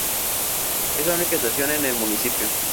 Es la única estación en el municipio.